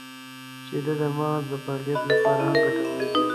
• شیدې د مغز د فعالیت لپاره هم ګټورې دي.